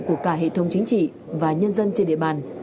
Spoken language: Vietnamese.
của cả hệ thống chính trị và nhân dân trên địa bàn